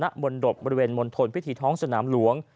ณมนตรบบริเวณมนตรภิฐีท้องสนามหลวง